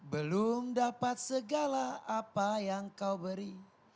belum dapat segala apa yang kau beri